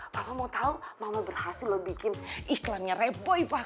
mama mau tahu mama berhasil bikin iklannya repoy pa